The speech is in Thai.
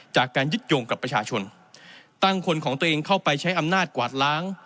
จากการยึดโยงกับประชาชนตั้งคนของตัวเองเข้าไปใช้อำนาจกวาดล้าง